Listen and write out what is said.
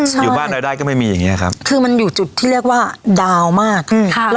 ใช่อยู่บ้านรายได้ก็ไม่มีอย่างเงี้ครับคือมันอยู่จุดที่เรียกว่าดาวมากอืมค่ะ